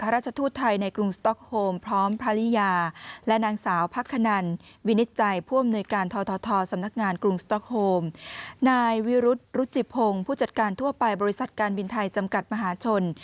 รุธจิบพงศ์ผู้จัดการทั่วไปบริษัทการบินไทยจำกัดมหาชน